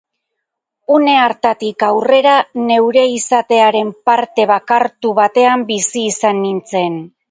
Une hartatik aurrera neure izatearen parte bakartu batean bizi izan nintzen.